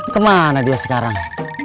kemana dia sekarang